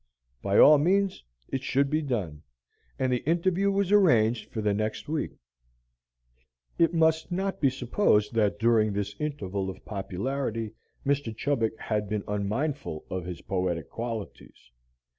By all means, it should be done. And the interview was arranged for the next week. It must not be supposed that during this interval of popularity Mr. Chubbuck had been unmindful of his poetic qualities.